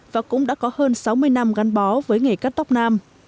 và cũng đã có hơn sáu mươi năm gắn bó với nghề cắt tóc nam